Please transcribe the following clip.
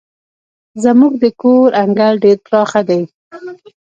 زموږ د کور انګړ ډير پراخه دی.